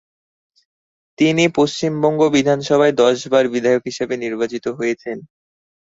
তিনি পশ্চিমবঙ্গ বিধানসভায় দশবার বিধায়ক হিসেবে নির্বাচিত হয়েছেন।